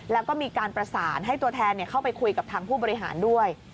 แล้วก็มีการประสานให้ตัวแทนเข้าไปคุยกับทางผู้บริหารด้วย